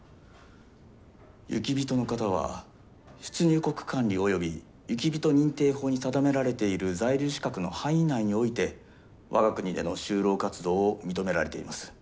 雪人の方は出入国管理及び雪人認定法に定められている在留資格の範囲内において我が国での就労活動を認められています。